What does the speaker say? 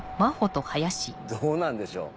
どうなんでしょう？